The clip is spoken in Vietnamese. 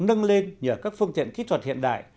nâng lên nhờ các phương tiện kỹ thuật hiện đại